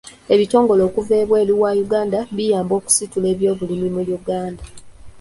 Ebitongole okuva ebweru wa Uganda biyamba okusitula ebyobulimi mu Uganda.